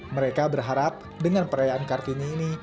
mereka berharap dengan perayaan kartini ini